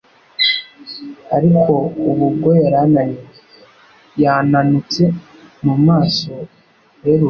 ariko ubu bwo yari ananiwe, yananutse, mu maso herurutse.